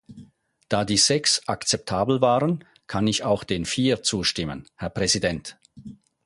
Da die sechs akzeptabel waren, kann ich auch den vier zustimmen, Herr Präsident.